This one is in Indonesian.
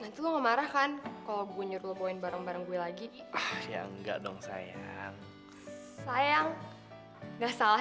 nanti mau privacy nya mau berbicara sama jacak boleh geheng ke mana lagi